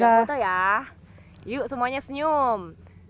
foto ya yuk semuanya senyum